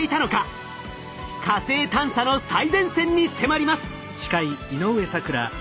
火星探査の最前線に迫ります！